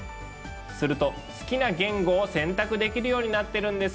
すると好きな言語を選択できるようになってるんですよ。